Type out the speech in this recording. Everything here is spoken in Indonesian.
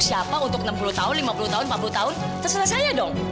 siapa untuk enam puluh tahun lima puluh tahun empat puluh tahun terselesainya dong